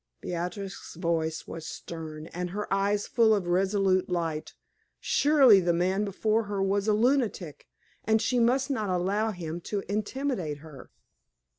Beatrix's voice was stern, and her eyes full of a resolute light. Surely the man before her was a lunatic, and she must not allow him to intimidate her.